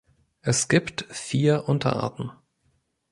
Es gibt vier Unterarten.